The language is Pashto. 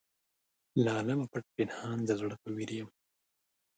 له عالمه پټ پنهان د زړه په ویر یم.